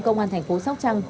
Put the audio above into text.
công an tp sóc trăng